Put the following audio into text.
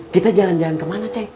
kita jalan jalan kemana cek